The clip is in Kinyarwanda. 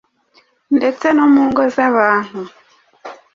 ndetse no mu ngo z'abantu